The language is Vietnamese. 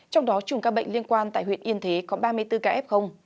trong đó chùm ca bệnh liên quan tại huyện yên thế có ba mươi bốn ca f